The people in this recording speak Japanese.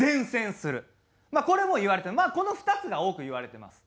まあこれも言われてるこの２つが多く言われてます。